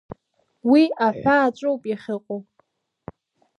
Уи аҳәааҿоуп иахьыҟоу.